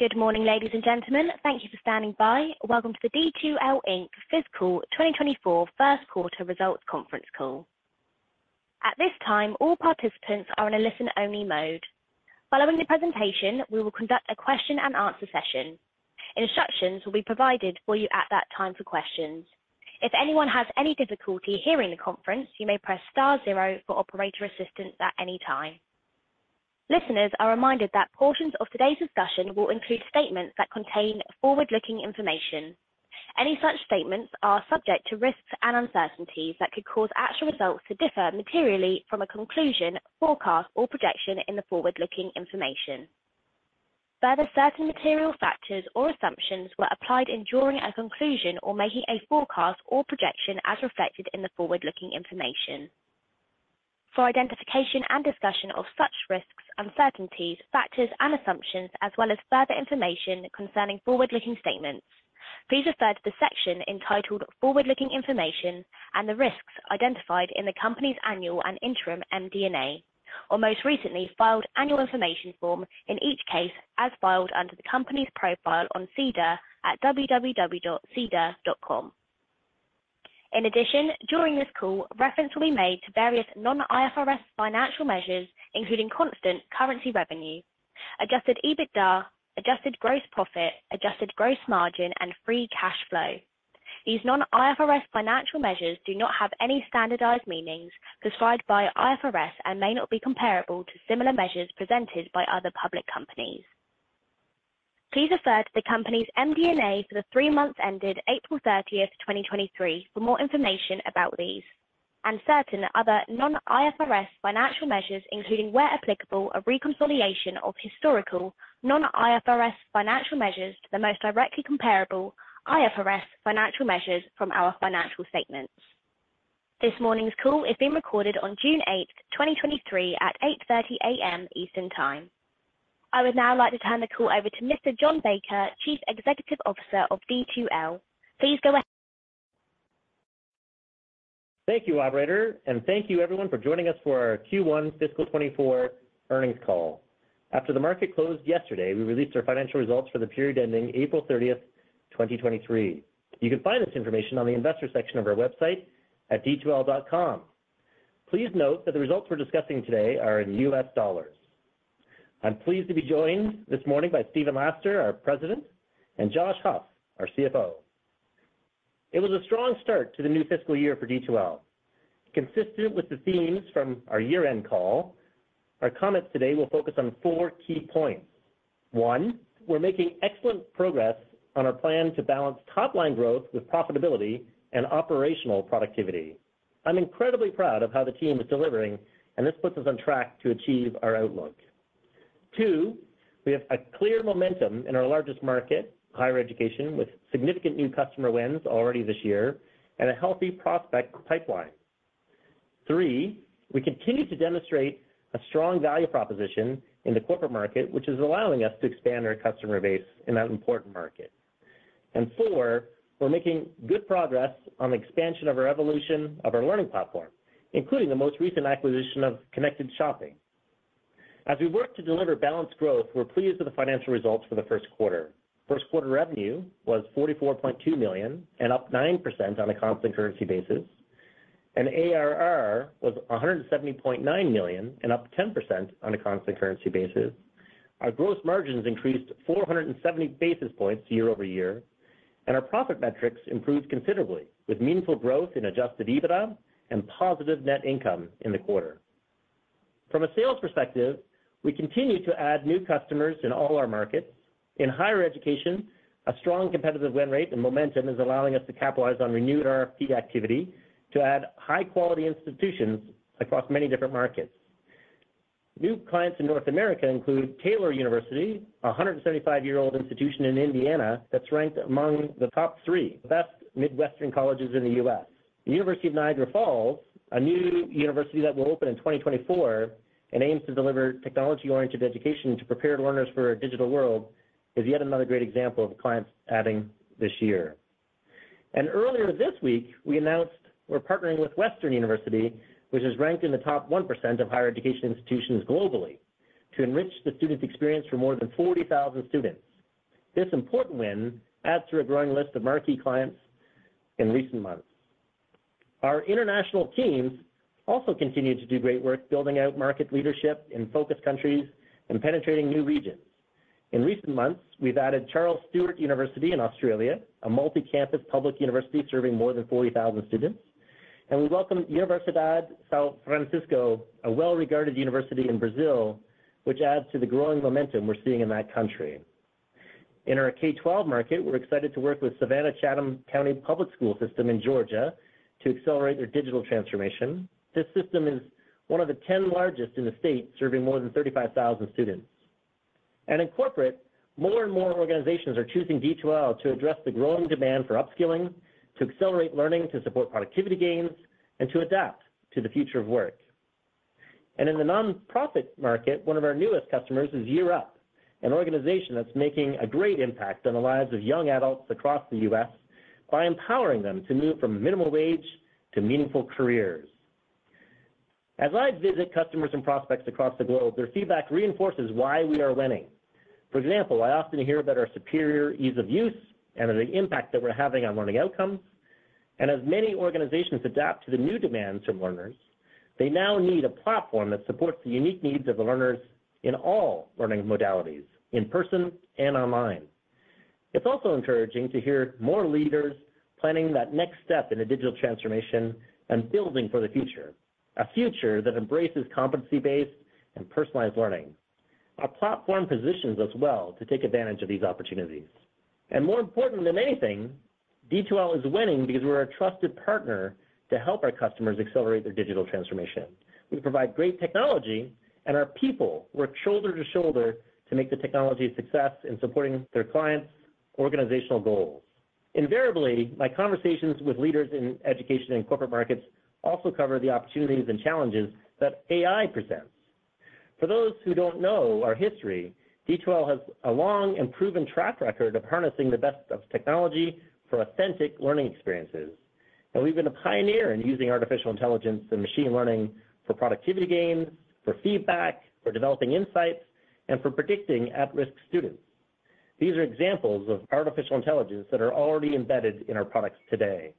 Good morning, ladies and gentlemen. Thank you for standing by. Welcome to the D2L Inc. Fiscal 2024 Q1 results conference call. At this time, all participants are in a listen-only mode. Following the presentation, we will conduct a question-and-answer session. Instructions will be provided for you at that time for questions. If anyone has any difficulty hearing the conference, you may press star zero for operator assistance at any time. Listeners are reminded that portions of today's discussion will include statements that contain forward-looking information. Any such statements are subject to risks and uncertainties that could cause actual results to differ materially from a conclusion, forecast, or projection in the forward-looking information. Further, certain material factors or assumptions were applied in drawing a conclusion or making a forecast or projection as reflected in the forward-looking information. For identification and discussion of such risks, uncertainties, factors, and assumptions, as well as further information concerning forward-looking statements, please refer to the section entitled Forward-Looking Information and the risks identified in the company's annual and interim MD&A, or most recently filed annual information form, in each case, as filed under the company's profile on SEDAR at www.sedar.com. In addition, during this call, reference will be made to various non-IFRS financial measures, including constant currency revenue, adjusted EBITDA, adjusted gross profit, adjusted gross margin, and free cash flow. These non-IFRS financial measures do not have any standardized meanings prescribed by IFRS and may not be comparable to similar measures presented by other public companies. Please refer to the company's MD&A for the three months ended April 30th, 2023 for more information about these and certain other non-IFRS financial measures, including, where applicable, a reconciliation of historical non-IFRS financial measures to the most directly comparable IFRS financial measures from our financial statements. This morning's call is being recorded on June 8th, 2023 at 8:30 A.M. Eastern Time. I would now like to turn the call over to Mr. John Baker, Chief Executive Officer of D2L. Please go ahead. Thank you, operator, and thank you everyone for joining us for our Q1 fiscal 2024 earnings call. After the market closed yesterday, we released our financial results for the period ending April 30th, 2023. You can find this information on the investor section of our website at d2l.com. Please note that the results we're discussing today are in U.S. dollars. I'm pleased to be joined this morning by Stephen Laster, our President, and Josh Huffman, our CFO. It was a strong start to the new fiscal year for D2L. Consistent with the themes from our year-end call, our comments today will focus on four key points. One. We're making excellent progress on our plan to balance top-line growth with profitability and operational productivity. I'm incredibly proud of how the team is delivering. This puts us on track to achieve our outlook. Two, we have a clear momentum in our largest market, higher education, with significant new customer wins already this year and a healthy prospect pipeline. Three, we continue to demonstrate a strong value proposition in the corporate market, which is allowing us to expand our customer base in that important market. Four, we're making good progress on the expansion of our evolution of our learning platform, including the most recent acquisition of Connected Shopping. As we work to deliver balanced growth, we're pleased with the financial results for the Q1. Q1 revenue was $44.2 million and up 9% on a constant currency basis, and ARR was $170.9 million and up 10% on a constant currency basis. Our gross margins increased 470 basis points year-over-year, and our profit metrics improved considerably, with meaningful growth in adjusted EBITDA and positive net income in the quarter. From a sales perspective, we continue to add new customers in all our markets. In higher education, a strong competitive win rate and momentum is allowing us to capitalize on renewed RFP activity to add high-quality institutions across many different markets. New clients in North America include Taylor University, a 175-year-old institution in Indiana that's ranked among the top three best Midwestern colleges in the U.S. The University of Niagara Falls, a new university that will open in 2024 and aims to deliver technology-oriented education to prepare learners for a digital world, is yet another great example of clients adding this year. Earlier this week, we announced we're partnering with Western University, which is ranked in the top 1% of higher education institutions globally, to enrich the student experience for more than 40,000 students. This important win adds to a growing list of marquee clients in recent months. Our international teams also continue to do great work building out market leadership in focus countries and penetrating new regions. In recent months, we've added Charles Sturt University in Australia, a multi-campus public university serving more than 40,000 students, and we welcome Universidade São Francisco, a well-regarded university in Brazil, which adds to the growing momentum we're seeing in that country. In our K-12 market, we're excited to work with Savannah-Chatham County Public School System in Georgia to accelerate their digital transformation. This system is one of the 10 largest in the state, serving more than 35,000 students. In corporate, more and more organizations are choosing D2L to address the growing demand for upskilling, to accelerate learning, to support productivity gains, and to adapt to the future of work. In the nonprofit market, one of our newest customers is Year Up, an organization that's making a great impact on the lives of young adults across the U.S. by empowering them to move from minimum wage to meaningful careers. As I visit customers and prospects across the globe, their feedback reinforces why we are winning. For example, I often hear about our superior ease of use and the impact that we're having on learning outcomes. As many organizations adapt to the new demands from learners, they now need a platform that supports the unique needs of the learners in all learning modalities, in person and online. It's also encouraging to hear more leaders planning that next step in a digital transformation and building for the future, a future that embraces competency-based and personalized learning. Our platform positions us well to take advantage of these opportunities. More important than anything, D2L is winning because we're a trusted partner to help our customers accelerate their digital transformation. We provide great technology, and our people work shoulder to shoulder to make the technology a success in supporting their clients' organizational goals. Invariably, my conversations with leaders in education and corporate markets also cover the opportunities and challenges that AI presents. For those who don't know our history, D2L has a long and proven track record of harnessing the best of technology for authentic learning experiences, and we've been a pioneer in using artificial intelligence and machine learning for productivity gains, for feedback, for developing insights, and for predicting at-risk students. These are examples of artificial intelligence that are already embedded in our products today.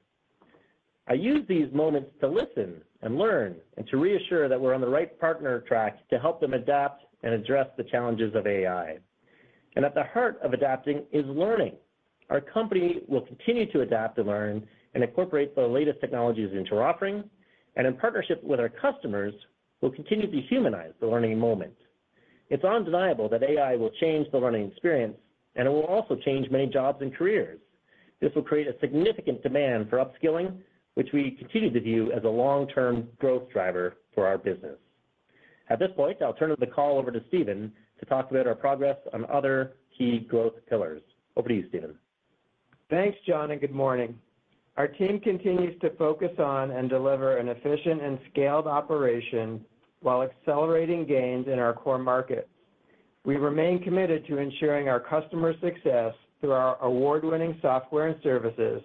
I use these moments to listen and learn, and to reassure that we're on the right partner track to help them adapt and address the challenges of AI. At the heart of adapting is learning. Our company will continue to adapt and learn, and incorporate the latest technologies into our offerings, and in partnership with our customers, we'll continue to humanize the learning moment. It's undeniable that AI will change the learning experience, and it will also change many jobs and careers. This will create a significant demand for upskilling, which we continue to view as a long-term growth driver for our business. At this point, I'll turn the call over to Stephen to talk about our progress on other key growth pillars. Over to you, Stephen. Thanks, John, good morning. Our team continues to focus on and deliver an efficient and scaled operation while accelerating gains in our core markets. We remain committed to ensuring our customer success through our award-winning software and services,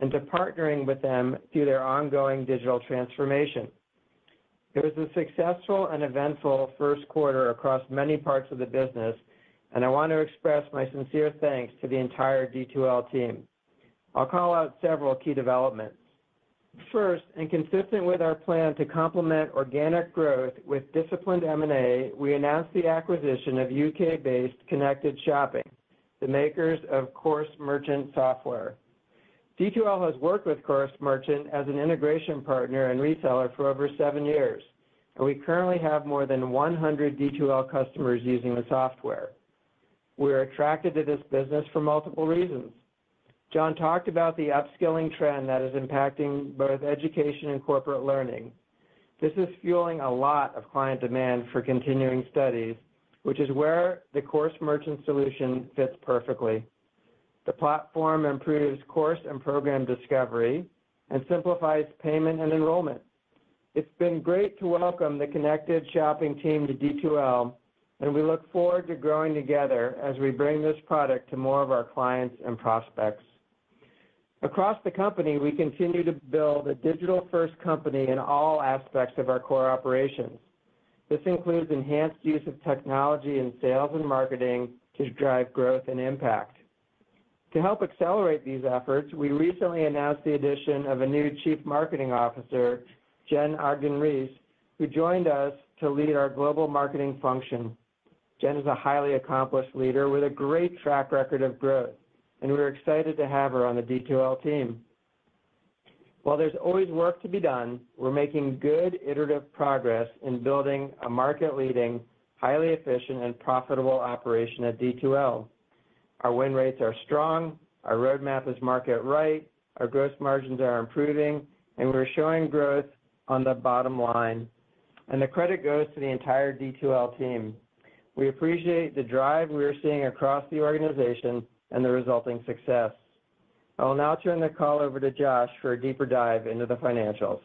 and to partnering with them through their ongoing digital transformation. It was a successful and eventful Q1 across many parts of the business, and I want to express my sincere thanks to the entire D2L team. I'll call out several key developments. First, consistent with our plan to complement organic growth with disciplined M&A, we announced the acquisition of U.K.-based Connected Shopping, the makers of Course Merchant software. D2L has worked with Course Merchant as an integration partner and reseller for over seven years, and we currently have more than 100 D2L customers using the software. We are attracted to this business for multiple reasons. John talked about the upskilling trend that is impacting both education and corporate learning. This is fueling a lot of client demand for continuing studies, which is where the Course Merchant solution fits perfectly. The platform improves course and program discovery and simplifies payment and enrollment. It's been great to welcome the Connected Shopping team to D2L. We look forward to growing together as we bring this product to more of our clients and prospects. Across the company, we continue to build a digital-first company in all aspects of our core operations. This includes enhanced use of technology in sales and marketing to drive growth and impact. To help accelerate these efforts, we recently announced the addition of a new chief marketing officer, Jen Ogden-Reese, who joined us to lead our global marketing function. Jen is a highly accomplished leader with a great track record of growth, and we're excited to have her on the D2L team. While there's always work to be done, we're making good iterative progress in building a market-leading, highly efficient, and profitable operation at D2L. Our win rates are strong, our roadmap is market right, our gross margins are improving, and we're showing growth on the bottom line, and the credit goes to the entire D2L team. We appreciate the drive we are seeing across the organization and the resulting success. I will now turn the call over to Josh for a deeper dive into the financials.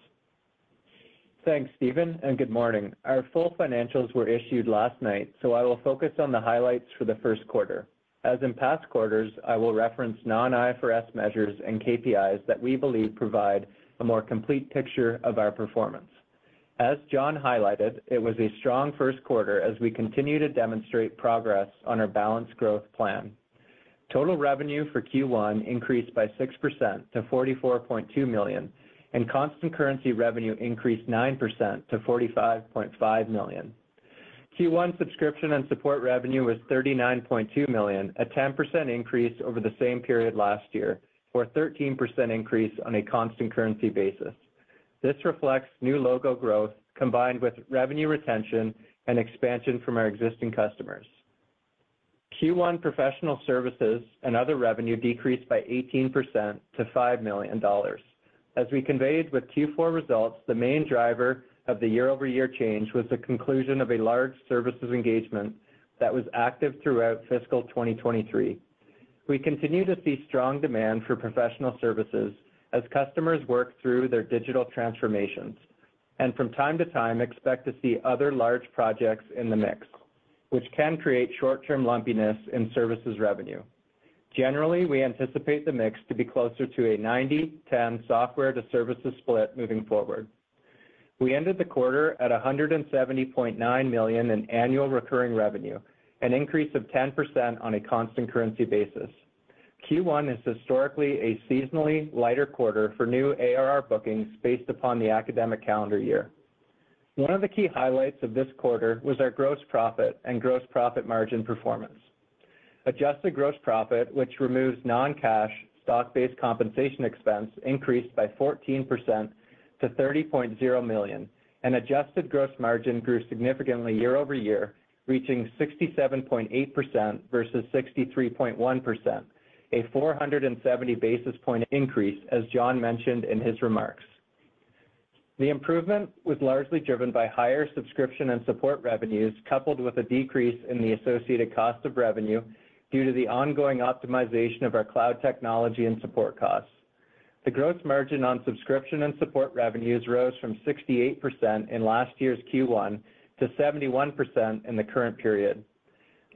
Thanks, Stephen, and good morning. Our full financials were issued last night, so I will focus on the highlights for the Q1. As in past quarters, I will reference non-IFRS measures and KPIs that we believe provide a more complete picture of our performance. As John highlighted, it was a strong Q1 as we continue to demonstrate progress on our balanced growth plan. Total revenue for Q1 increased by 6% to $44.2 million, and constant currency revenue increased 9% to $45.5 million. Q1 subscription and support revenue was $39.2 million, a 10% increase over the same period last year, or a 13% increase on a constant currency basis. This reflects new logo growth, combined with revenue retention and expansion from our existing customers. Q1 professional services and other revenue decreased by 18% to $5 million. As we conveyed with Q4 results, the main driver of the year-over-year change was the conclusion of a large services engagement that was active throughout fiscal 2023. We continue to see strong demand for professional services as customers work through their digital transformations. From time to time, expect to see other large projects in the mix, which can create short-term lumpiness in services revenue. Generally, we anticipate the mix to be closer to a 90-10 software-to-services split moving forward. We ended the quarter at $170.9 million in Annual Recurring Revenue, an increase of 10% on a constant currency basis. Q1 is historically a seasonally lighter quarter for new ARR bookings based upon the academic calendar year. One of the key highlights of this quarter was our gross profit and gross profit margin performance. Adjusted gross profit, which removes non-cash stock-based compensation expense, increased by 14% to $30.0 million, and adjusted gross margin grew significantly year-over-year, reaching 67.8% versus 63.1%, a 470 basis point increase, as John mentioned in his remarks. The improvement was largely driven by higher subscription and support revenues, coupled with a decrease in the associated cost of revenue due to the ongoing optimization of our cloud technology and support costs. The gross margin on subscription and support revenues rose from 68% in last year's Q1 to 71% in the current period.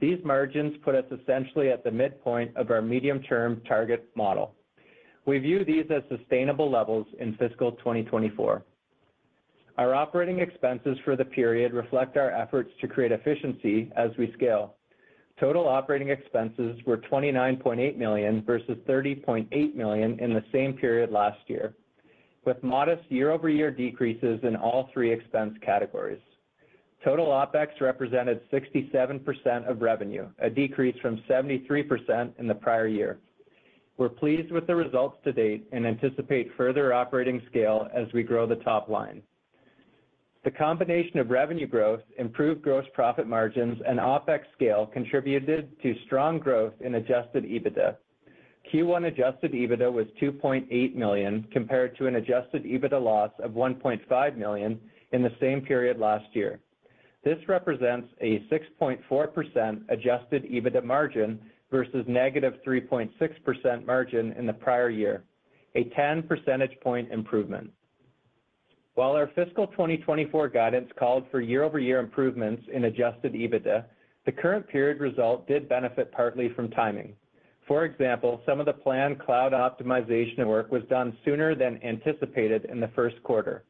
These margins put us essentially at the midpoint of our medium-term target model. We view these as sustainable levels in fiscal 2024. Our operating expenses for the period reflect our efforts to create efficiency as we scale. Total operating expenses were $29.8 million versus $30.8 million in the same period last year, with modest year-over-year decreases in all three expense categories. Total OpEx represented 67% of revenue, a decrease from 73% in the prior year. We're pleased with the results to date and anticipate further operating scale as we grow the top line. The combination of revenue growth, improved gross profit margins, and OpEx scale contributed to strong growth in adjusted EBITDA. Q1 adjusted EBITDA was $2.8 million, compared to an adjusted EBITDA loss of $1.5 million in the same period last year. This represents a 6.4% adjusted EBITDA margin versus negative 3.6% margin in the prior year, a 10 percentage point improvement. While our fiscal 2024 guidance called for year-over-year improvements in adjusted EBITDA, the current period result did benefit partly from timing. For example, some of the planned cloud optimization work was done sooner than anticipated in the Q1.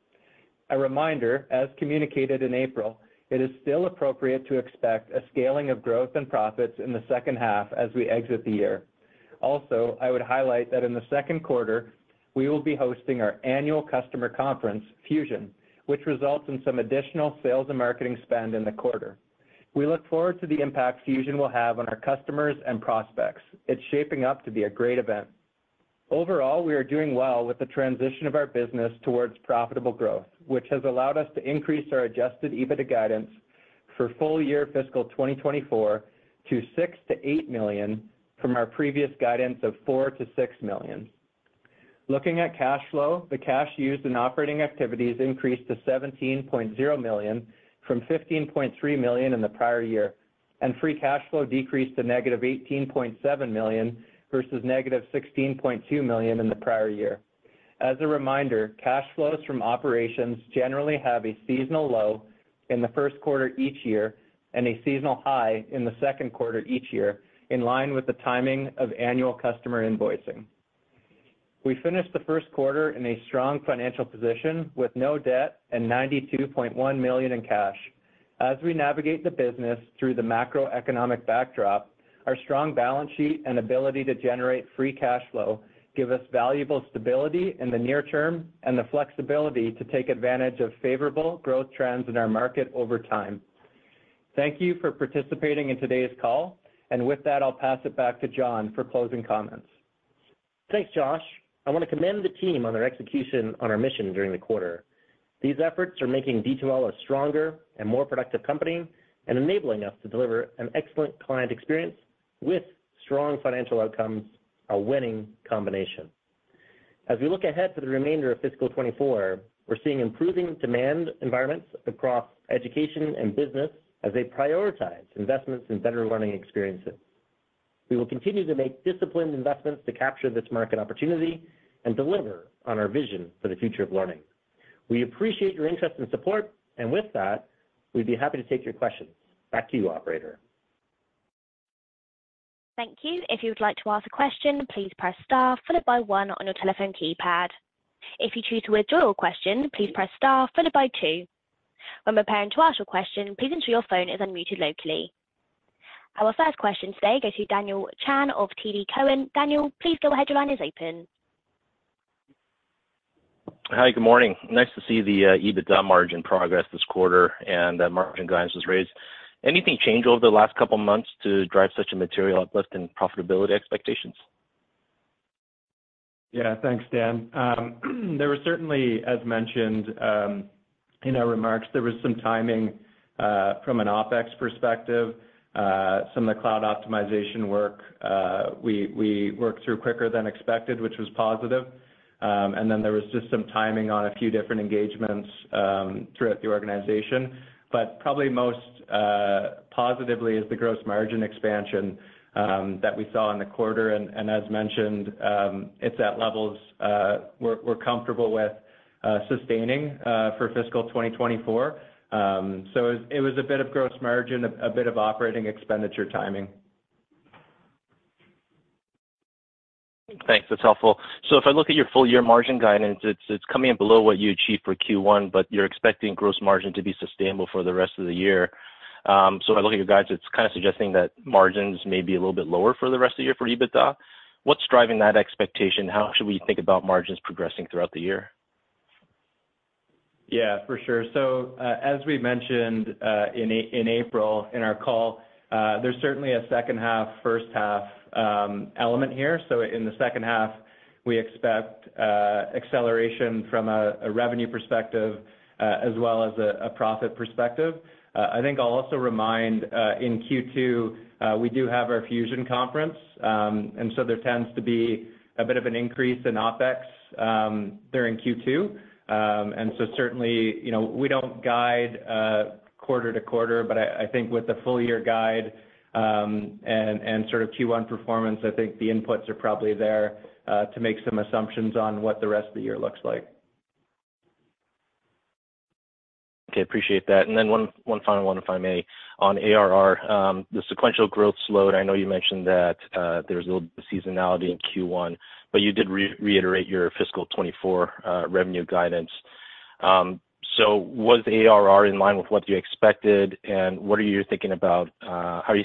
A reminder, as communicated in April, it is still appropriate to expect a scaling of growth and profits in the second half as we exit the year. I would highlight that in the Q2, we will be hosting our annual customer conference, Fusion, which results in some additional sales and marketing spend in the quarter. We look forward to the impact Fusion will have on our customers and prospects. It's shaping up to be a great event. Overall, we are doing well with the transition of our business towards profitable growth, which has allowed us to increase our adjusted EBITDA guidance for full year fiscal 2024 to $6 million-$8 million from our previous guidance of $4 million-$6 million. Looking at cash flow, the cash used in operating activities increased to $17.0 million from $15.3 million in the prior year, and free cash flow decreased to negative $18.7 million versus negative $16.2 million in the prior year. As a reminder, cash flows from operations generally have a seasonal low in the Q1 each year and a seasonal high in the Q2 each year, in line with the timing of annual customer invoicing. We finished the Q1 in a strong financial position with no debt and $92.1 million in cash. As we navigate the business through the macroeconomic backdrop, our strong balance sheet and ability to generate free cash flow give us valuable stability in the near term and the flexibility to take advantage of favorable growth trends in our market over time. Thank you for participating in today's call. With that, I'll pass it back to John for closing comments. Thanks, Josh. I want to commend the team on their execution on our mission during the quarter. These efforts are making D2L a stronger and more productive company and enabling us to deliver an excellent client experience with strong financial outcomes, a winning combination. As we look ahead to the remainder of fiscal 2024, we're seeing improving demand environments across education and business as they prioritize investments in better learning experiences. We will continue to make disciplined investments to capture this market opportunity and deliver on our vision for the future of learning. We appreciate your interest and support, and with that, we'd be happy to take your questions. Back to you, Operator. Thank you. If you would like to ask a question, please press star followed by one on your telephone keypad. If you choose to withdraw your question, please press star followed by two. When preparing to ask your question, please ensure your phone is unmuted locally. Our first question today goes to Daniel Chan of TD Cowen. Daniel, please go ahead. Your line is open. Hi, good morning. Nice to see the EBITDA margin progress this quarter and the margin guidance is raised. Anything change over the last couple of months to drive such a material uplift in profitability expectations? Yeah, thanks, Dan. There was certainly, as mentioned, in our remarks, there was some timing from an OpEx perspective, some of the cloud optimization work, we worked through quicker than expected, which was positive. Then there was just some timing on a few different engagements throughout the organization. Probably most positively is the gross margin expansion that we saw in the quarter. As mentioned, it's at levels we're comfortable with sustaining for fiscal 2024. It was a bit of gross margin, a bit of operating expenditure timing. Thanks. That's helpful. If I look at your full year margin guidance, it's coming in below what you achieved for Q1, but you're expecting gross margin to be sustainable for the rest of the year. If I look at your guides, it's kind of suggesting that margins may be a little bit lower for the rest of the year for EBITDA. What's driving that expectation? How should we think about margins progressing throughout the year? Yeah, for sure. As we mentioned in April, in our call, there's certainly a second half, first half, element here. In the second half, we expect acceleration from a revenue perspective, as well as a profit perspective. I think I'll also remind in Q2, we do have our Fusion conference, there tends to be a bit of an increase in OpEx during Q2. Certainly, you know, we don't guide quarter-to-quarter, but I think with the full year guide, and sort of Q1 performance, I think the inputs are probably there to make some assumptions on what the rest of the year looks like. Okay, appreciate that. Then one final one, if I may. On ARR, the sequential growth slowed. I know you mentioned that there's a little seasonality in Q1, but you did reiterate your fiscal 2024 revenue guidance. Was the ARR in line with what you expected, and what are you thinking about,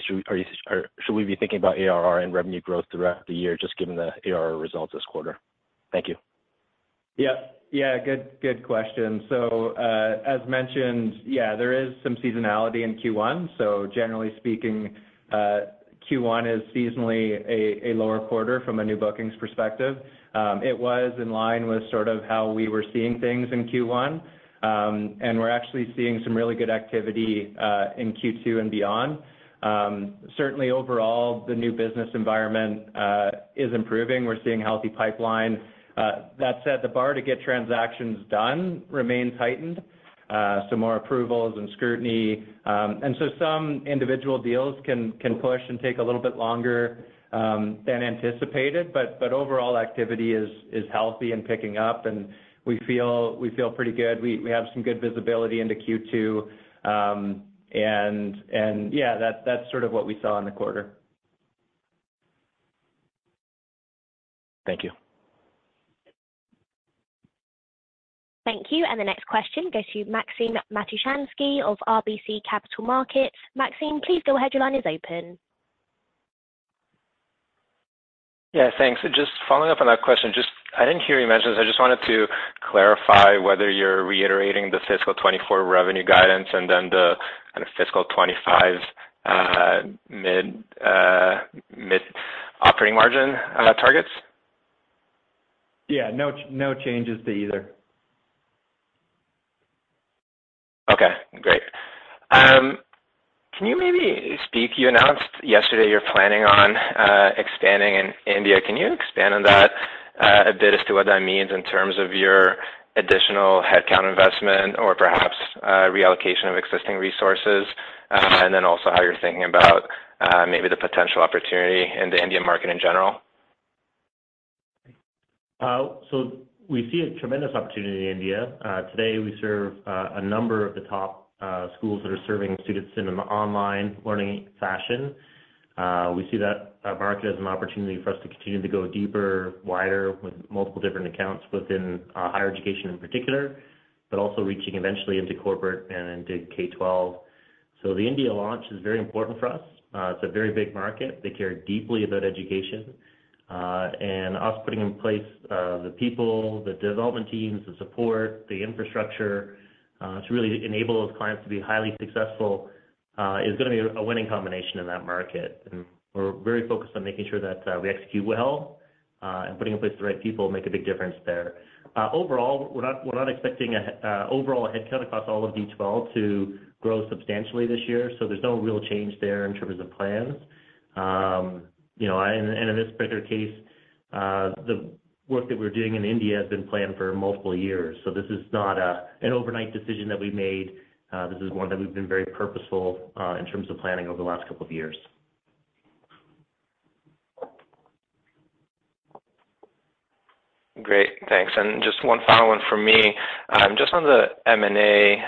should we be thinking about ARR and revenue growth throughout the year, just given the ARR results this quarter? Thank you. Yeah. Good question. As mentioned, yeah, there is some seasonality in Q1, generally speaking, Q1 is seasonally a lower quarter from a new bookings perspective. It was in line with sort of how we were seeing things in Q1. And we're actually seeing some really good activity in Q2 and beyond. Certainly overall, the new business environment is improving. We're seeing healthy pipeline. That said, the bar to get transactions done remains tightened, so more approvals and scrutiny. And so some individual deals can push and take a little bit longer than anticipated, but overall activity is healthy and picking up, and we feel pretty good. We have some good visibility into Q2. And, yeah, that's sort of what we saw in the quarter. Thank you. Thank you. The next question goes to Maxim Matushansky of RBC Capital Markets. Maxim, please go ahead. Your line is open. Yeah, thanks. Just following-up on that question, just I didn't hear you mention this. I just wanted to clarify whether you're reiterating the fiscal 2024 revenue guidance and then the kind of fiscal 2025 mid operating margin targets? Yeah. No, no changes to either. Okay, great. You announced yesterday you're planning on expanding in India. Can you expand on that a bit as to what that means in terms of your additional headcount investment or perhaps reallocation of existing resources? How you're thinking about maybe the potential opportunity in the Indian market in general. We see a tremendous opportunity in India. Today, we serve a number of the top schools that are serving students in an online learning fashion. We see that market as an opportunity for us to continue to go deeper, wider, with multiple different accounts within higher education in particular, but also reaching eventually into corporate and into K-12. The India launch is very important for us. It's a very big market. They care deeply about education, and us putting in place the people, the development teams, the support, the infrastructure, to really enable those clients to be highly successful is gonna be a winning combination in that market. We're very focused on making sure that we execute well, and putting in place the right people will make a big difference there. Overall, we're not expecting overall a headcount across all of D2L to grow substantially this year, there's no real change there in terms of plans. You know, and in this particular case, the work that we're doing in India has been planned for multiple years. This is not an overnight decision that we made, this is one that we've been very purposeful in terms of planning over the last couple of years. Great, thanks. Just one final one for me. Just on the M&A,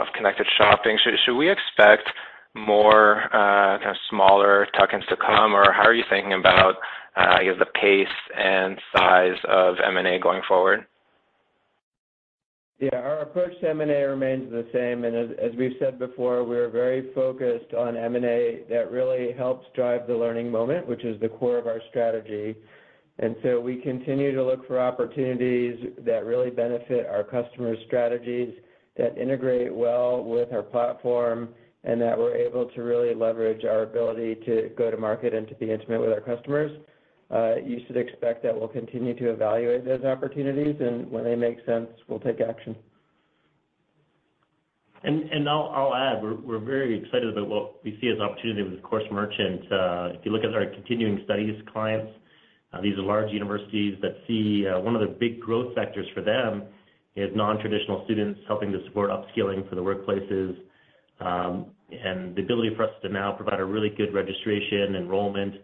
of Connected Shopping, should we expect more, kind of smaller tuck-ins to come, or how are you thinking about, I guess, the pace and size of M&A going forward? Yeah, our approach to M&A remains the same, as we've said before, we're very focused on M&A. That really helps drive the learning moment, which is the core of our strategy. We continue to look for opportunities that really benefit our customers' strategies, that integrate well with our platform, and that we're able to really leverage our ability to go to market and to be intimate with our customers. You should expect that we'll continue to evaluate those opportunities, and when they make sense, we'll take action. I'll add, we're very excited about what we see as an opportunity with Course Merchant. If you look at our continuing studies clients, these are large universities that see one of the big growth sectors for them is nontraditional students, helping to support upskilling for the workplaces. The ability for us to now provide a really good registration, enrollment,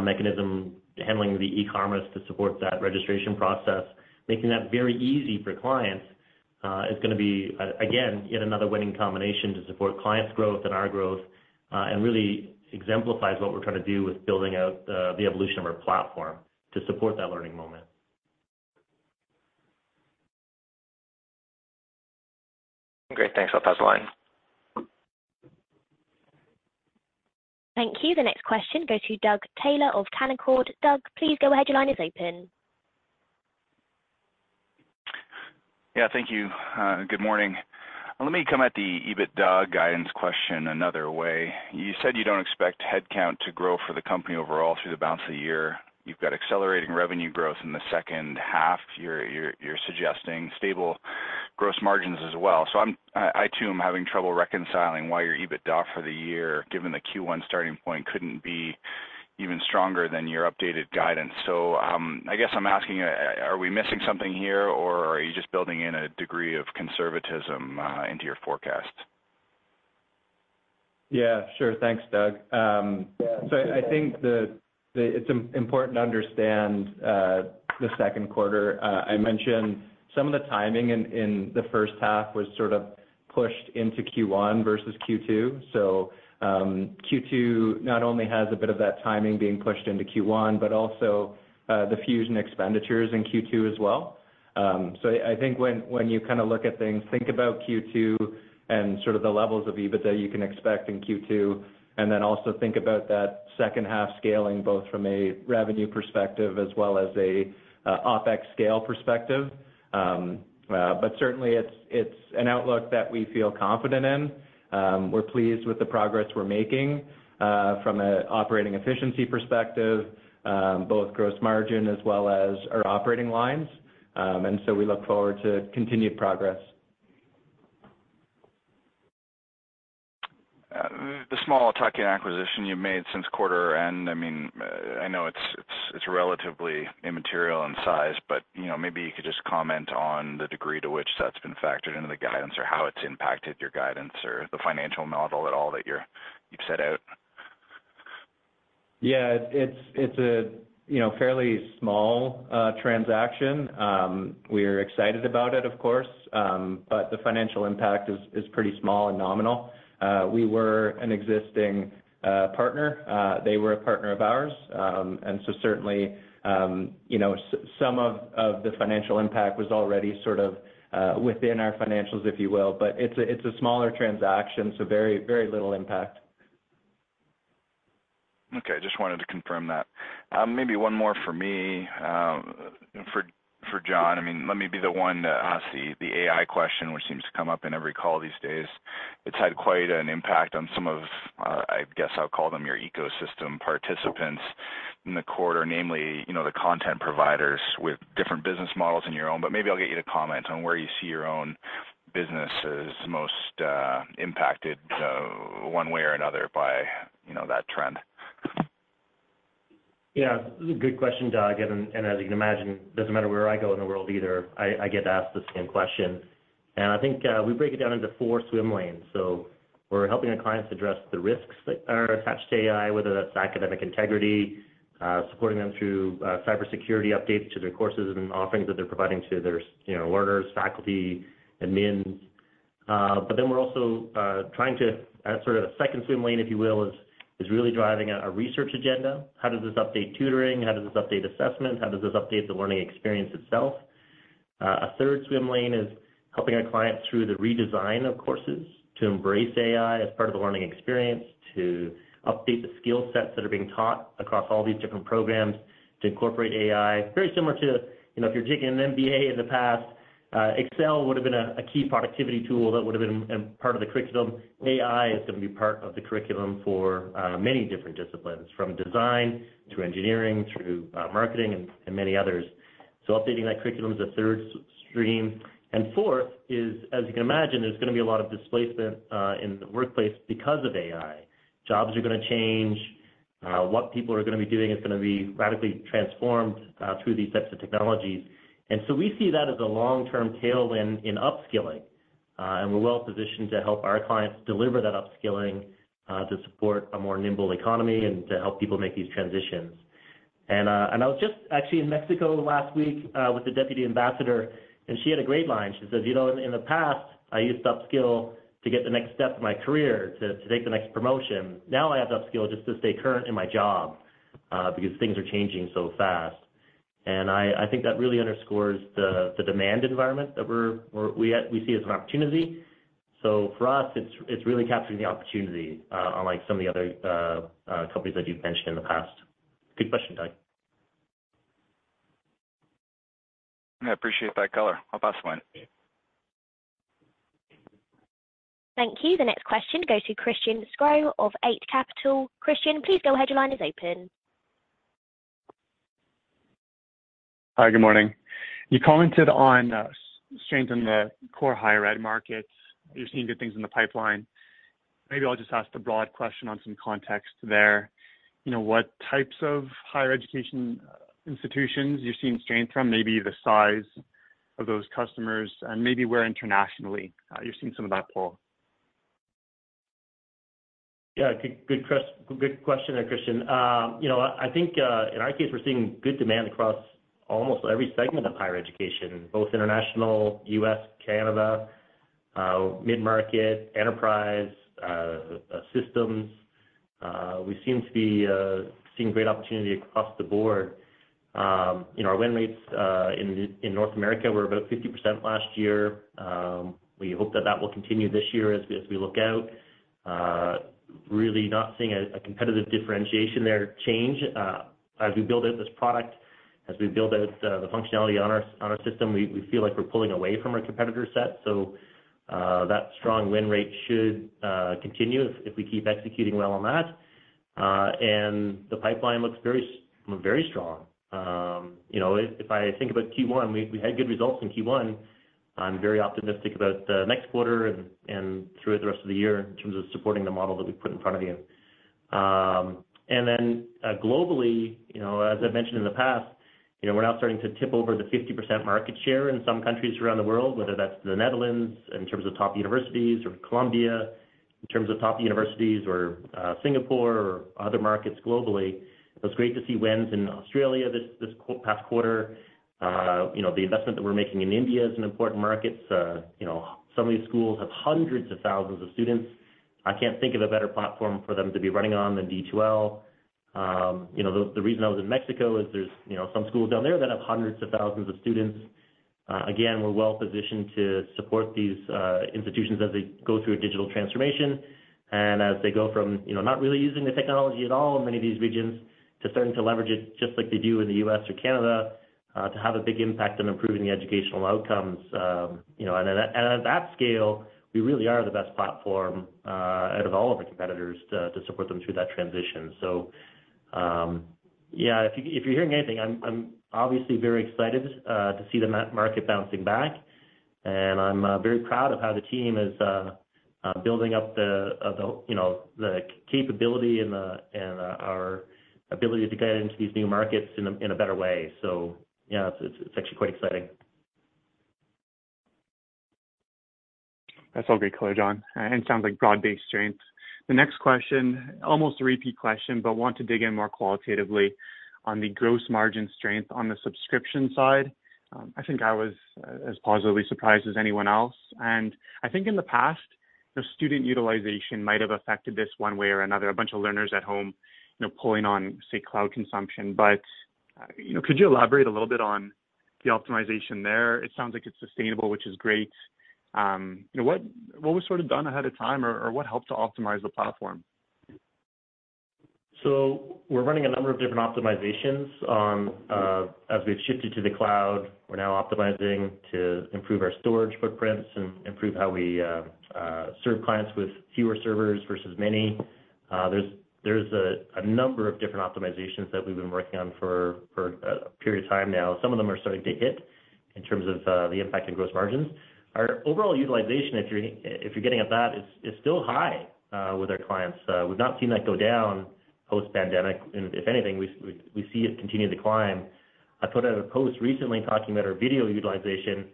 mechanism, handling the e-commerce to support that registration process, making that very easy for clients, is going to be again, yet another winning combination to support clients' growth and our growth, and really exemplifies what we're trying to do with building out the evolution of our platform to support that learning moment. Great. Thanks. I'll pass the line. Thank you. The next question goes to Doug Taylor of Canaccord Genuity. Doug, please go ahead. Your line is open. Yeah, thank you. Good morning. Let me come at the EBITDA guidance question another way. You said you don't expect headcount to grow for the company overall through the balance of the year. You've got accelerating revenue growth in the second half. You're suggesting stable gross margins as well. I, too, am having trouble reconciling why your EBITDA for the year, given the Q1 starting point, couldn't be even stronger than your updated guidance. I guess I'm asking, are we missing something here, or are you just building in a degree of conservatism into your forecast? Yeah, sure. Thanks, Doug. I think it's important to understand the Q2. I mentioned some of the timing in the first half was sort of pushed into Q1 versus Q2. Q2 not only has a bit of that timing being pushed into Q1, but also the Fusion expenditures in Q2 as well. I think when you kind of look at things, think about Q2 and sort of the levels of EBITDA you can expect in Q2, and then also think about that second half scaling, both from a revenue perspective as well as a OpEx scale perspective. Certainly it's an outlook that we feel confident in. We're pleased with the progress we're making from an operating efficiency perspective, both gross margin as well as our operating lines. We look forward to continued progress. The small acquisition you made since quarter end, I mean, I know it's relatively immaterial in size, but, you know, maybe you could just comment on the degree to which that's been factored into the guidance or how it's impacted your guidance or the financial model at all that you've set out? Yeah, it's a, you know, fairly small transaction. We're excited about it, of course, but the financial impact is pretty small and nominal. We were an existing partner. They were a partner of ours. Certainly, you know, some of the financial impact was already sort of within our financials, if you will. It's a smaller transaction, so very little impact. Okay, just wanted to confirm that. Maybe one more for me, for John. I mean, let me be the one to ask the AI question, which seems to come up in every call these days. It's had quite an impact on some of, I guess I'll call them your ecosystem participants in the quarter. Namely, you know, the content providers with different business models in your own. Maybe I'll get you to comment on where you see your own business is most impacted, one way or another by, you know, that trend. Yeah, this is a good question, Doug, and as you can imagine, it doesn't matter where I go in the world either, I get asked the same question. I think, we break it down into four swim lanes. We're helping our clients address the risks that are attached to AI, whether that's academic integrity, supporting them through cybersecurity updates to their courses and offerings that they're providing to their, you know, learners, faculty, admins. We're also. Sort of a second swim lane, if you will, is really driving a research agenda. How does this update tutoring? How does this update assessment? How does this update the learning experience itself? A third swim lane is helping our clients through the redesign of courses to embrace AI as part of the learning experience, to update the skill sets that are being taught across all these different programs to incorporate AI. Very similar to, you know, if you're taking an MBA in the past, Excel would have been a key productivity tool that would have been part of the curriculum. AI is going to be part of the curriculum for many different disciplines, from design to engineering, through marketing and many others. Updating that curriculum is a third stream. Fourth is, as you can imagine, there's going to be a lot of displacement in the workplace because of AI. Jobs are going to change. What people are going to be doing is going to be radically transformed through these types of technologies. We see that as a long-term tailwind in upskilling, and we're well positioned to help our clients deliver that upskilling to support a more nimble economy and to help people make these transitions. I was just actually in Mexico last week with the deputy ambassador, and she had a great line. She says, "You know, in the, in the past, I used to upskill to get the next step of my career, to take the next promotion. Now I have to upskill just to stay current in my job because things are changing so fast." I think that really underscores the demand environment that we see as an opportunity. For us, it's really capturing the opportunity, unlike some of the other companies that you've mentioned in the past. Good question, Doug. I appreciate that color. I'll pass the line. Thank you. The next question goes to Christian Sgro of Eight Capital. Christian, please go ahead. Your line is open. Hi, good morning. You commented on, strength in the core higher ed markets. You're seeing good things in the pipeline. Maybe I'll just ask the broad question on some context there. You know, what types of higher education institutions you're seeing strength from, maybe the size of those customers, and maybe where internationally, you're seeing some of that pull? Yeah, good question there, Christian. you know, I think, in our case, we're seeing good demand across almost every segment of higher education, both international, U.S., Canada, mid-market, enterprise, systems. We seem to be seeing great opportunity across the board. you know, our win rates in North America were about 50% last year. We hope that that will continue this year as we look out. Really not seeing a competitive differentiation there change, as we build out this product, as we build out the functionality on our system, we feel like we're pulling away from our competitor set. That strong win rate should continue if we keep executing well on that. The pipeline looks very, very strong. You know, if I think about Q1, we had good results in Q1. I'm very optimistic about the next quarter and through the rest of the year in terms of supporting the model that we've put in front of you. Then, globally, you know, as I've mentioned in the past, you know, we're now starting to tip over the 50% market share in some countries around the world, whether that's the Netherlands, in terms of top universities, or Colombia, in terms of top universities, or Singapore or other markets globally. It was great to see wins in Australia this past quarter. You know, the investment that we're making in India is an important market. You know, some of these schools have hundreds of thousands of students. I can't think of a better platform for them to be running on than D2L. You know, the reason I was in Mexico is there's, you know, some schools down there that have hundreds of thousands of students. Again, we're well positioned to support these institutions as they go through a digital transformation, and as they go from, you know, not really using the technology at all in many of these regions, to starting to leverage it just like they do in the U.S. or Canada, to have a big impact on improving the educational outcomes. You know, and at, and at that scale, we really are the best platform, out of all of our competitors, to support them through that transition. Yeah, if you, if you're hearing anything, I'm obviously very excited to see the market bouncing back, and I'm very proud of how the team is building up the, you know, the capability and our ability to get into these new markets in a better way. You know, it's actually quite exciting. That's all great color, John, and sounds like broad-based strength. The next question, almost a repeat question, but want to dig in more qualitatively on the gross margin strength on the subscription side. I think I was as positively surprised as anyone else, and I think in the past, the student utilization might have affected this one way or another, a bunch of learners at home, you know, pulling on, say, cloud consumption. You know, could you elaborate a little bit on the optimization there? It sounds like it's sustainable, which is great. You know, what was sort of done ahead of time, or what helped to optimize the platform? We're running a number of different optimizations on as we've shifted to the cloud. We're now optimizing to improve our storage footprints and improve how we serve clients with fewer servers versus many. There's a number of different optimizations that we've been working on for a period of time now. Some of them are starting to hit in terms of the impact in gross margins. Our overall utilization, if you're getting at that, is still high with our clients. We've not seen that go down post-pandemic, and if anything, we see it continue to climb. I put out a post recently talking about our video utilization.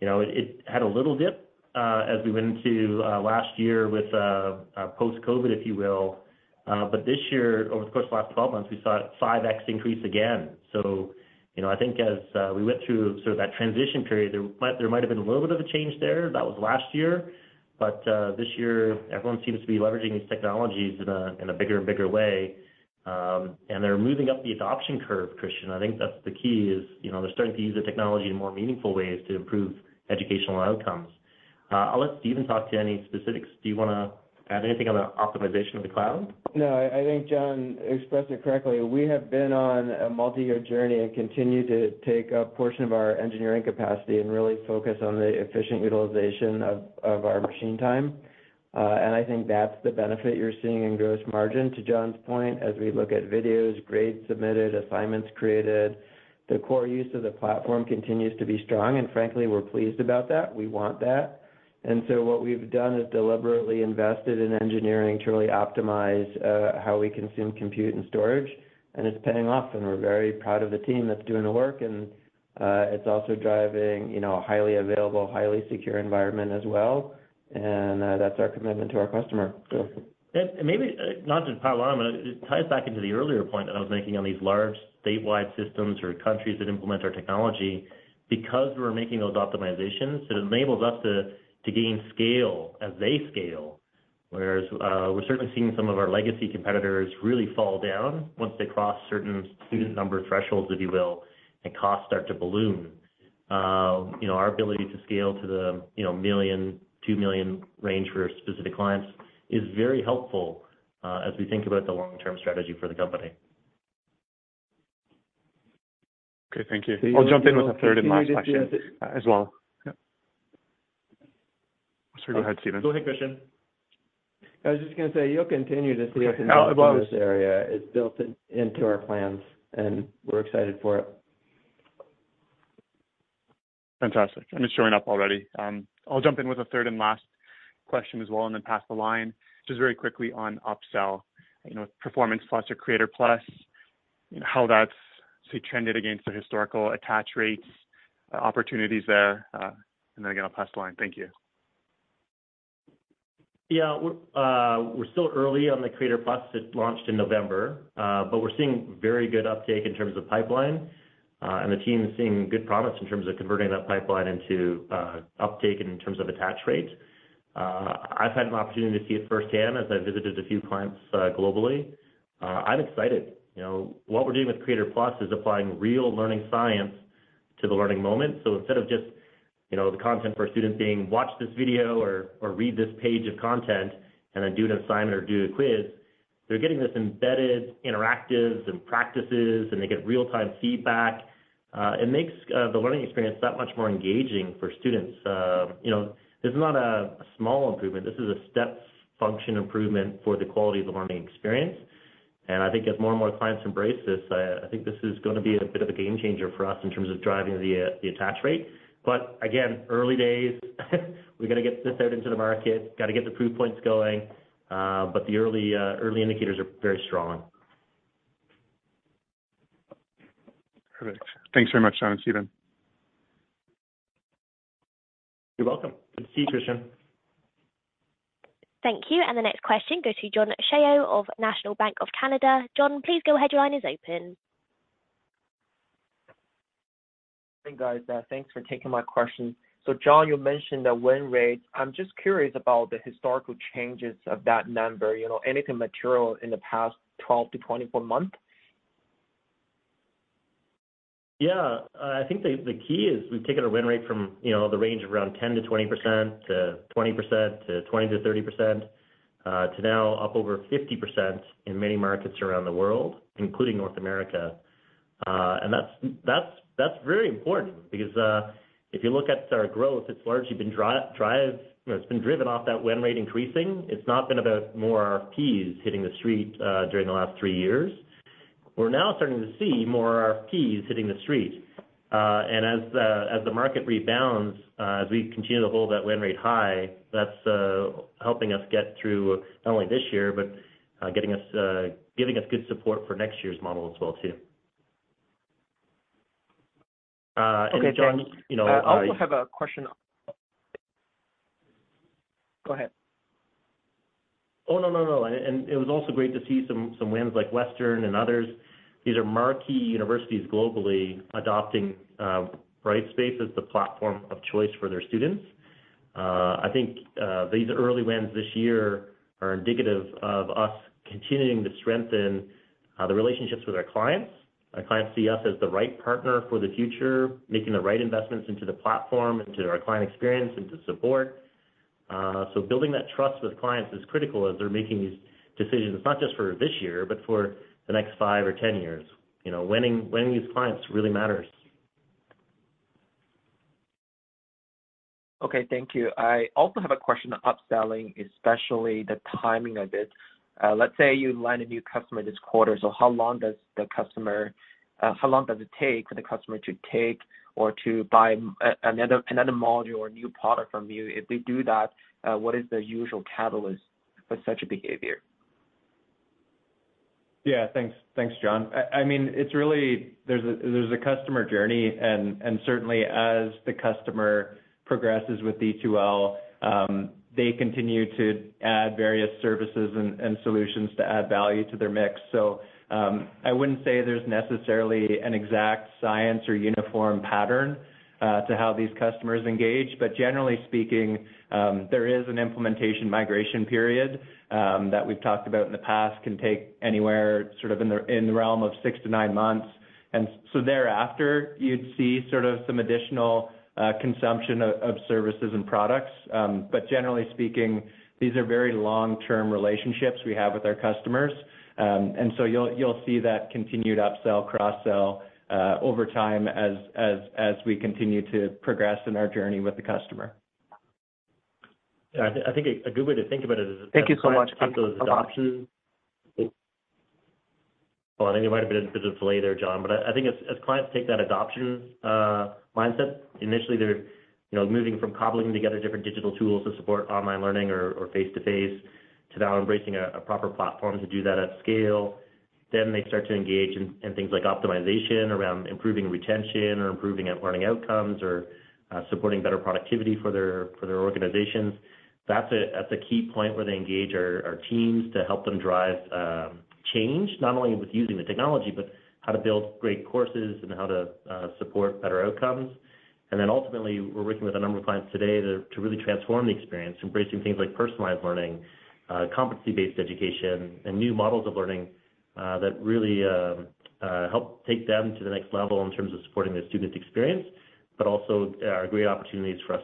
You know, it had a little dip as we went into last year with post-COVID, if you will. This year, over the course of the last 12 months, we saw a 5x increase again. You know, I think as we went through sort of that transition period, there might have been a little bit of a change there. That was last year. This year, everyone seems to be leveraging these technologies in a bigger and bigger way, and they're moving up the adoption curve, Christian. I think that's the key is, you know, they're starting to use the technology in more meaningful ways to improve educational outcomes. I'll let Stephen talk to any specifics. Do you wanna add anything on the optimization of the cloud? No, I think John expressed it correctly. We have been on a multi-year journey and continue to take a portion of our engineering capacity and really focus on the efficient utilization of our machine time. I think that's the benefit you're seeing in gross margin. To John's point, as we look at videos, grades submitted, assignments created, the core use of the platform continues to be strong, and frankly, we're pleased about that. We want that. What we've done is deliberately invested in engineering to really optimize how we consume, compute and storage, and it's paying off, and we're very proud of the team that's doing the work. It's also driving, you know, a highly available, highly secure environment as well, and that's our commitment to our customer, so. Maybe not just parallel, it ties back into the earlier point that I was making on these large statewide systems or countries that implement our technology. Because we're making those optimizations, it enables us to gain scale as they scale. Whereas, we're certainly seeing some of our legacy competitors really fall down once they cross certain student number thresholds, if you will, and costs start to balloon. You know, our ability to scale to the, you know, 1 million, 2 million range for specific clients is very helpful, as we think about the long-term strategy for the company. Okay, thank you. I'll jump in with a third and last question as well. Yep. Sorry, go ahead, Stephen. Go ahead, Christian. I was just gonna say, you'll continue to see us. Oh, go ahead. in this area. It's built in, into our plans, and we're excited for it. Fantastic. I'm just showing up already. I'll jump in with a third and last question as well, and then pass the line. Just very quickly on upsell, you know, Performance+ or Creator+. you know, how that's trended against the historical attach rates, opportunities there, and then again, I'll pass the line. Thank you. Yeah, we're still early on the Creator+. It launched in November. We're seeing very good uptake in terms of pipeline, and the team is seeing good promise in terms of converting that pipeline into uptake and in terms of attach rate. I've had an opportunity to see it firsthand as I visited a few clients globally. I'm excited. You know, what we're doing with Creator+ is applying real learning science to the learning moment. Instead of just, you know, the content for a student being, watch this video or read this page of content and then do an assignment or do a quiz, they're getting this embedded interactives and practices, and they get real-time feedback. It makes the learning experience that much more engaging for students. You know, this is not a small improvement. This is a step function improvement for the quality of the learning experience. I think as more and more clients embrace this, I think this is gonna be a bit of a game changer for us in terms of driving the attach rate. Again, early days, we got to get this out into the market, got to get the proof points going, but the early early indicators are very strong. Perfect. Thanks very much, John and Stephen. You're welcome. Good to see you, Christian. Thank you. The next question goes to John Shao of National Bank of Canada. John, please go. Your line is open. Hey, guys, thanks for taking my question. John, you mentioned the win rates. I'm just curious about the historical changes of that number, you know, anything material in the past 12months to 24 months? Yeah. I think the key is we've taken a win rate from, you know, the range of around 10%-20%, to 20%, to 20%-30%, to now up over 50% in many markets around the world, including North America. That's very important because if you look at our growth, it's largely been driven off that win rate increasing. It's not been about more RFPs hitting the street during the last three years. We're now starting to see more RFPs hitting the street, as the market rebounds, as we continue to hold that win rate high, that's helping us get through not only this year, but getting us good support for next year's model as well, too. John, you know. Okay, thanks. I also have a question. Go ahead. Oh, no, no. It was also great to see some wins like Western and others. These are marquee universities globally adopting Brightspace as the platform of choice for their students. I think these early wins this year are indicative of us continuing to strengthen the relationships with our clients. Our clients see us as the right partner for the future, making the right investments into the platform, into our client experience, into support. Building that trust with clients is critical as they're making these decisions, not just for this year, but for the next five or 10 years. You know, winning these clients really matters. Okay, thank you. I also have a question on upselling, especially the timing of it. Let's say you land a new customer this quarter, so how long does the customer, how long does it take for the customer to take or to buy another module or new product from you? If they do that, what is the usual catalyst for such a behavior? Yeah, thanks. Thanks, John. I mean, it's really. There's a customer journey, and certainly as the customer progresses with D2L, they continue to add various services and solutions to add value to their mix. I wouldn't say there's necessarily an exact science or uniform pattern to how these customers engage, but generally speaking, there is an implementation migration period that we've talked about in the past, can take anywhere, sort of in the realm of six to nine months, thereafter, you'd see sort of some additional consumption of services and products. Generally speaking, these are very long-term relationships we have with our customers. You'll see that continued upsell, cross-sell over time as we continue to progress in our journey with the customer. Yeah, I think a good way to think about it is. Thank you so much.... adoption. Hold on. There might have been a bit of a delay there, John, but I think as clients take that adoption mindset, initially they're, you know, moving from cobbling together different digital tools to support online learning or face-to-face, to now embracing a proper platform to do that at scale. They start to engage in things like optimization around improving retention, or improving learning outcomes, or supporting better productivity for their organizations. That's a key point where they engage our teams to help them drive change, not only with using the technology, but how to build great courses and how to support better outcomes. Ultimately, we're working with a number of clients today to really transform the experience, embracing things like personalized learning, competency-based education, and new models of learning that really help take them to the next level in terms of supporting their student experience, but also are great opportunities for us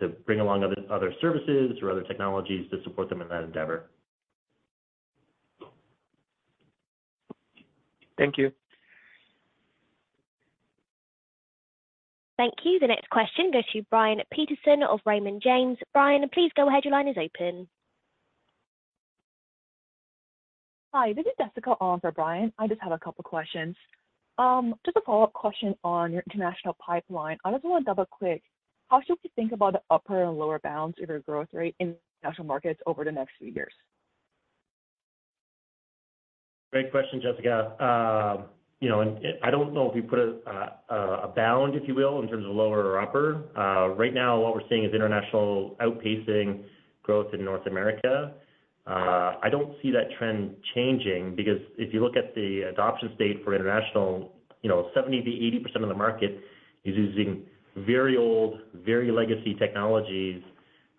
to bring along other services or other technologies to support them in that endeavor. Thank you. Thank you. The next question goes to Brian Peterson of Raymond James. Brian, please go ahead. Your line is open. Hi, this is Jessica on for Brian. I just have a couple questions. Just a follow-up question on your international pipeline. I just want to double-click, how should we think about the upper and lower bounds of your growth rate in international markets over the next few years? Great question, Jessica. You know, I don't know if we put a bound, if you will, in terms of lower or upper. Right now, what we're seeing is international outpacing growth in North America. I don't see that trend changing because if you look at the adoption state for international, you know, 70%-80% of the market is using very old, very legacy technologies,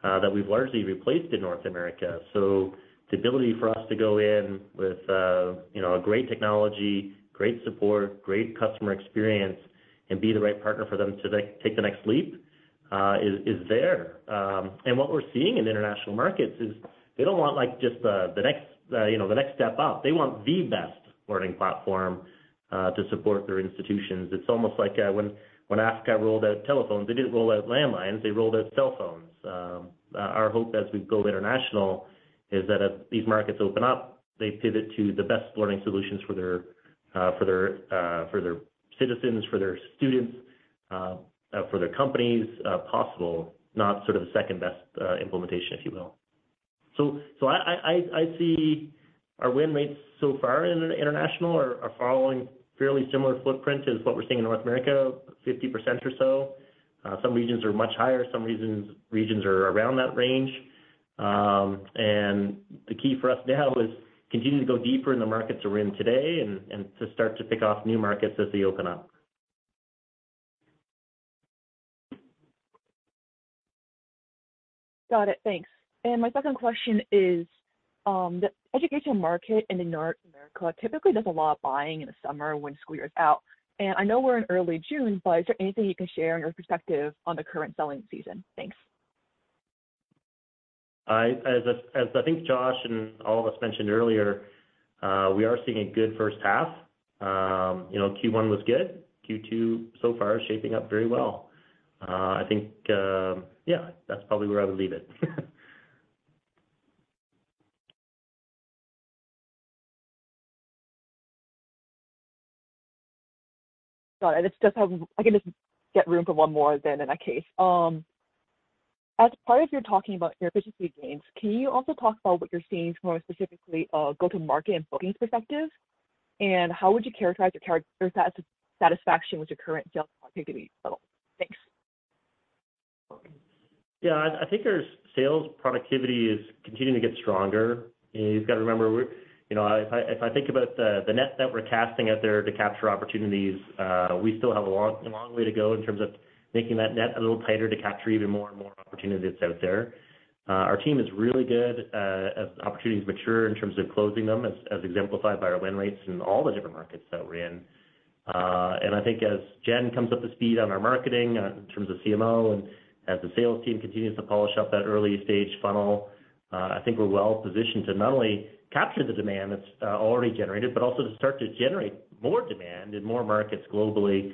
that we've largely replaced in North America. So the ability for us to go in with, you know, great technology, great support, great customer experience, and be the right partner for them to take the next leap, is there. What we're seeing in the international markets is they don't want, like, just the next, you know, the next step up. They want the best learning platform to support their institutions. It's almost like when Africa rolled out telephones, they didn't roll out landlines, they rolled out cell phones. Our hope as we go international is that as these markets open up, they pivot to the best learning solutions for their citizens, for their students, for their companies possible, not sort of the second-best implementation, if you will. I see our win rates so far in the international are following fairly similar footprint as what we're seeing in North America, 50% or so. Some regions are much higher, some regions are around that range. The key for us now is continue to go deeper in the markets we're in today and to start to pick off new markets as they open up. Got it. Thanks. My second question is, the education market in the North America, typically, there's a lot of buying in the summer when school year is out. I know we're in early June, but is there anything you can share on your perspective on the current selling season? Thanks. As I think Josh and all of us mentioned earlier, we are seeing a good first half. You know, Q1 was good. Q2, so far, is shaping up very well. I think, yeah, that's probably where I would leave it. Got it. I can just get room for one more then in that case. As part of your talking about efficiency gains, can you also talk about what you're seeing more specifically, go-to-market and bookings perspective? How would you characterize your satisfaction with your current sales productivity level? Thanks. I think our sales productivity is continuing to get stronger. You've got to remember, You know, if I, if I think about the net that we're casting out there to capture opportunities, we still have a long way to go in terms of making that net a little tighter to capture even more and more opportunities out there. Our team is really good, as opportunities mature in terms of closing them, as exemplified by our win rates in all the different markets that we're in. I think as Jen comes up to speed on our marketing, in terms of CMO and as the sales team continues to polish up that early-stage funnel, I think we're well positioned to not only capture the demand that's already generated, but also to start to generate more demand in more markets globally.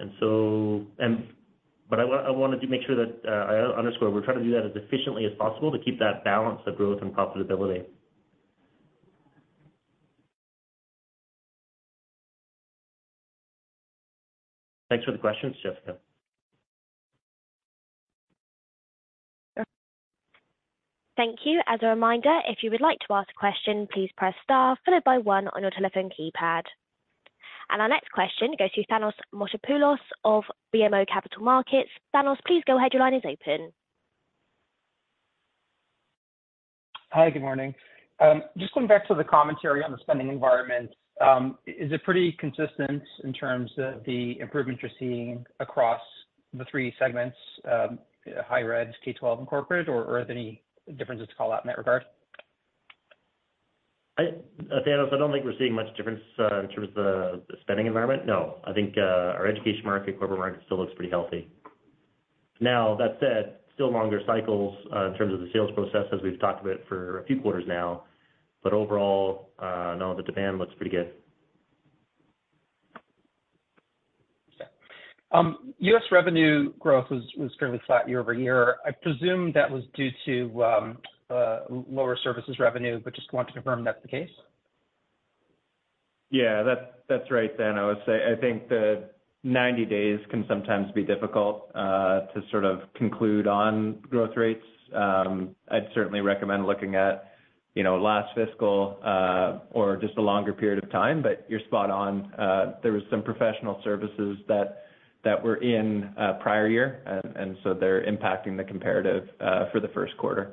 I wanted to make sure that I underscore, we're trying to do that as efficiently as possible to keep that balance of growth and profitability. Thanks for the questions, Jessica. Thank you. As a reminder, if you would like to ask a question, please press star followed by one on your telephone keypad. Our next question goes to Thanos Moschopoulos of BMO Capital Markets. Thanos, please go ahead. Your line is open. Hi, good morning. Just going back to the commentary on the spending environment, is it pretty consistent in terms of the improvement you're seeing across the three segments, higher ed, K-12, and corporate, or are there any differences to call out in that regard? Thanos, I don't think we're seeing much difference in terms of the spending environment. No. I think our education market, corporate market still looks pretty healthy. That said, still longer cycles in terms of the sales process, as we've talked about for a few quarters now, overall, no, the demand looks pretty good. U.S. revenue growth was fairly flat year-over-year. I presume that was due to lower services revenue, but just want to confirm if that's the case. That's, that's right, Thanos. I think the 90 days can sometimes be difficult to sort of conclude on growth rates. I'd certainly recommend looking at, you know, last fiscal or just a longer period of time, but you're spot on. There was some professional services that were in prior year, and so they're impacting the comparative for the Q1.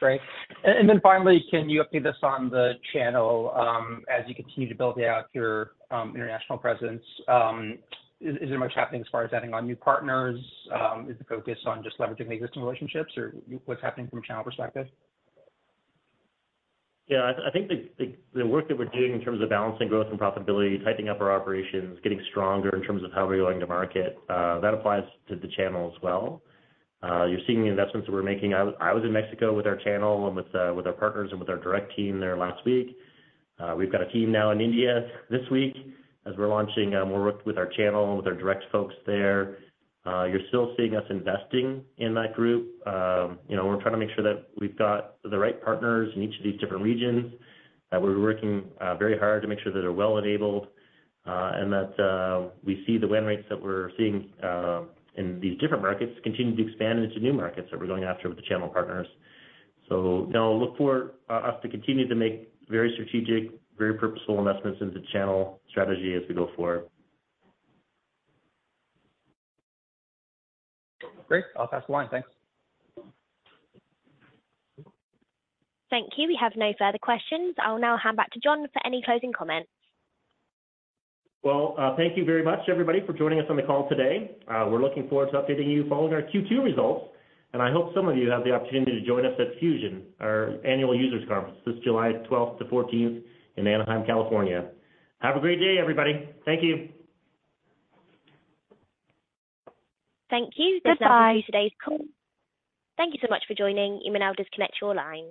Great. Then finally, can you update us on the channel, as you continue to build out your international presence, is there much happening as far as adding on new partners? Is the focus on just leveraging existing relationships, or what's happening from a channel perspective? Yeah, I think the work that we're doing in terms of balancing growth and profitability, tightening up our operations, getting stronger in terms of how we're going to market, that applies to the channel as well. You're seeing the investments that we're making. I was in Mexico with our channel and with our partners and with our direct team there last week. We've got a team now in India this week, as we're launching more work with our channel, with our direct folks there. You're still seeing us investing in that group. You know, we're trying to make sure that we've got the right partners in each of these different regions, that we're working very hard to make sure that they're well enabled, and that we see the win rates that we're seeing in these different markets continue to expand into new markets that we're going after with the channel partners. Now look for us to continue to make very strategic, very purposeful investments into channel strategy as we go forward. Great. I'll pass the line. Thanks. Thank you. We have no further questions. I'll now hand back to John for any closing comments. Well, thank you very much, everybody, for joining us on the call today. We're looking forward to updating you following our Q2 results, and I hope some of you have the opportunity to join us at Fusion, our annual users conference, this July 12th to 14th in Anaheim, California. Have a great day, everybody. Thank you. Thank you. Bye-bye. This ends today's call. Thank you so much for joining. You may now disconnect your line.